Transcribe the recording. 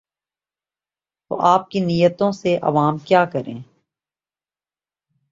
تو آپ کی نیتوں سے عوام کیا کریں؟